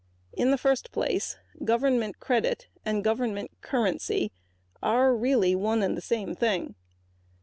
In the first place, government credit and government currency are really one and the same thing.